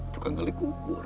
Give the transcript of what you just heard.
tukang kali kukur